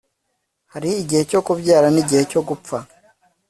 hari igihe cyo kubyara, n'igihe cyo gupfa